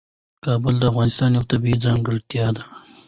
کابل د افغانستان یوه طبیعي ځانګړتیا ده.